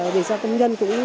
để cho công nhân